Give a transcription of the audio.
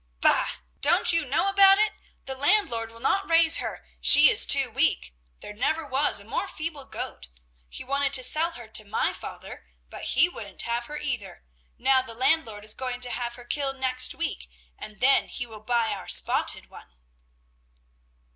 "Bah, don't you know about it? The landlord will not raise her, she is too weak; there never was a more feeble goat. He wanted to sell her to my father, but he wouldn't have her either; now the landlord is going to have her killed next week, and then he will buy our spotted one."